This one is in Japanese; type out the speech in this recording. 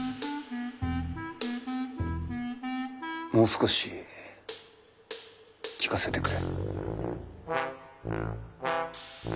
もう少し聴かせてくれ。